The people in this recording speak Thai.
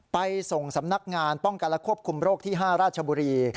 ไปส่งสำนักงานป้องกันและควบคุมโรคที่๕ราชบุรี